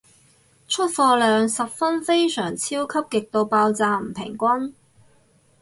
出貨量十分非常超級極度爆炸唔平均